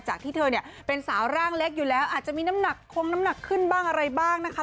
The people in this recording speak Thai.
จากที่เธอเป็นสาวร่างเล็กอยู่แล้วอาจจะมีความน้ำหนักขึ้นบ้างอะไรบ้างนะคะ